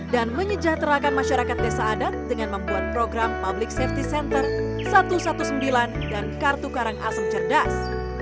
dan menyejahterakan masyarakat desa adat dengan membuat program public safety center satu ratus sembilan belas dan kartu karangasem cerdas